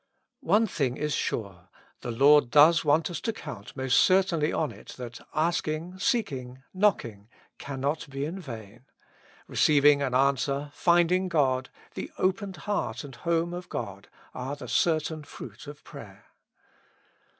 One thing is sure : the Lord does want us to count most certainly on it that asking, seeking, knocking, cannot be in vain ; receiving an answer, finding God, the opened heart and home of God, are the certain fruit of prayer.